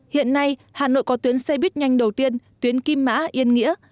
hiện nay hà nội có tuyến xe buýt nhanh đầu tiên tuyến kim mã yên nghĩa